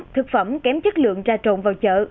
thực phẩm kém chất lượng ra trộn vào chợ